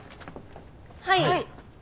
はい。